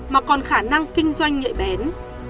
mà còn khả năng kinh doanh nhẹ bén